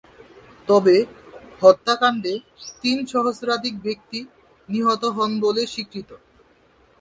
তবে, হত্যাকাণ্ডে তিন সহস্রাধিক ব্যক্তি নিহত হন বলে স্বীকৃত।